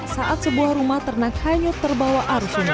saat sebuah rumah ternak hanyut terbawa arus sungai